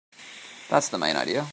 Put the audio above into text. That's the main idea.